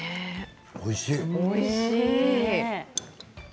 おいしい。